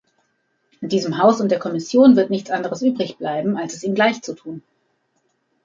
Diesem Haus und der Kommission wird nichts anderes übrig bleiben, als es ihm gleichzutun.